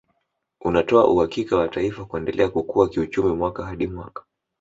Unatoa uhakika wa taifa kuendelea kukua kiuchumi mwaka hadi mwaka